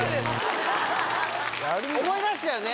思いましたよね。